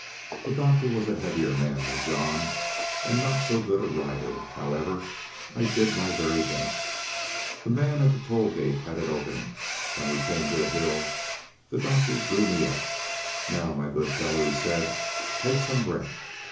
The doctor was a heavier man than John, and not so good a rider; however, I did my very best. The man at the toll gate had it open. When we came to the hill, the doctor drew me up. "Now, my good fellow," he said, "take some breath."